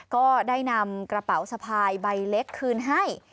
ก็ได้นำกระเป๋าสะพายใบเล็กคืนให้